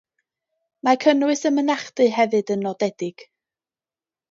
Mae cynnwys y mynachdy hefyd yn nodedig.